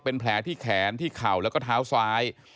เป็นแผลที่แขนที่เข่าแล้วก็เท้าซ้าย